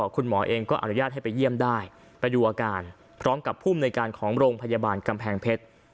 คุณหมอเองก็อนุญาตให้ไปเยี่ยมได้ไปดูอาการพร้อมกับภูมิในการของโรงพยาบาลกำแพงเพชร